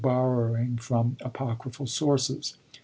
borrowing from apocryphal sources.